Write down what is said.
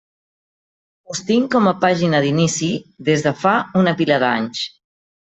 Us tinc com a pàgina d'inici des de fa una pila d'anys.